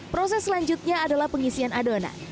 proses selanjutnya adalah pengisian adonan